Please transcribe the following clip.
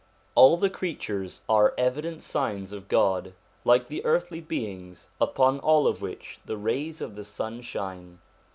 All the creatures are evident signs of God, like the earthly beings upon all of which the rays of the sun shine.